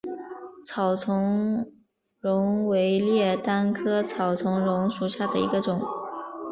草苁蓉为列当科草苁蓉属下的一个种。